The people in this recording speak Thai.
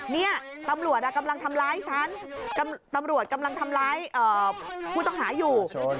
นี่ตำรวจกำลังทำร้ายฉันตำรวจกำลังทำร้ายผู้ต้องหาอยู่